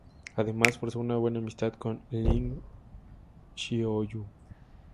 Además, forzó una buena amistad con Ling Xiaoyu.